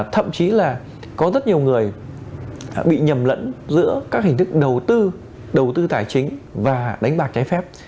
thậm chí là có rất nhiều người bị nhầm lẫn giữa các hình thức đầu tư đầu tư tài chính và đánh bạc trái phép